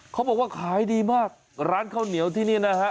เขาบอกว่าขายดีมากร้านข้าวเหนียวที่นี่นะฮะ